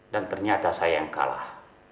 dan ternyata saya yang kalah